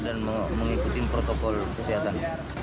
dan mengikuti protokol kesehatan